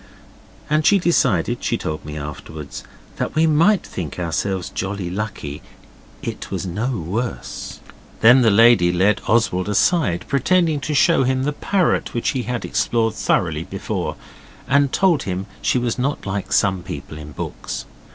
And she decided, she told me afterwards, that we might think ourselves jolly lucky it was no worse. Then the lady led Oswald aside, pretending to show him the parrot which he had explored thoroughly before, and told him she was not like some people in books.